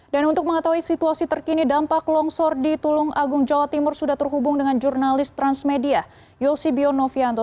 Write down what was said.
dan untuk mengetahui situasi terkini dampak longsor di tulung agung jawa timur sudah terhubung dengan jurnalis transmedia yosi bionovianto